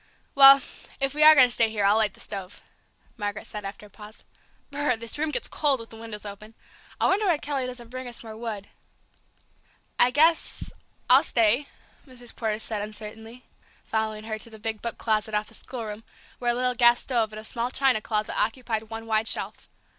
"Well, if we are going to stay here, I'll light the stove," Margaret said after a pause. "B r r r! this room gets cold with the windows open! I wonder why Kelly doesn't bring us more wood?" "I guess I'll stay!" Mrs. Porter said uncertainly, following her to the big book closet off the schoolroom, where a little gas stove and a small china closet occupied one wide shelf.